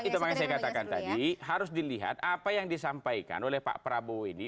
itu makanya saya katakan tadi harus dilihat apa yang disampaikan oleh pak prabowo ini